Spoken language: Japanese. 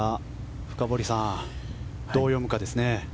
深堀さん、どう読むかですね。